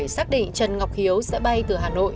xác định trần ngọc hiếu sẽ bay từ hà nội